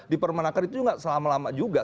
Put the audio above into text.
dipermanakan itu juga gak selama lama juga